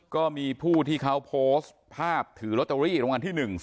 ก็มีผู้ที่เขาโพสต์ภาพถือลอตเตอรี่รางวัลที่๑๒